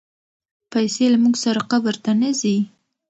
پیسې له موږ سره قبر ته نه ځي.